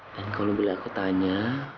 dan kalau bila aku tanya